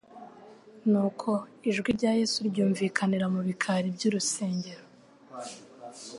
Nuko ijwi rya Yesu ryumvikanira mu bikari by'urusengero